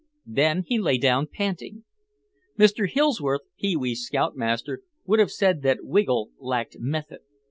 Then he lay down panting. Mr. Ellsworth, Pee wee's scoutmaster, would have said that Wiggle lacked method....